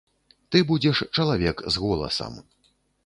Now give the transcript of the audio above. Ты будзеш чалавек з голасам.